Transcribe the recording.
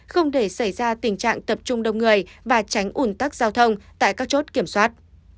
không để xảy ra tình trạng tập trung đông người và tránh ủn tắc giao thông tại các chốt kiểm soát